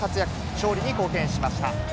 勝利に貢献しました。